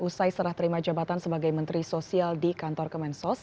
usai serah terima jabatan sebagai menteri sosial di kantor kemensos